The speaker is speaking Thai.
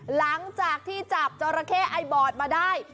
หลังจากที่จับจราเข้ไอบอร์ดมาได้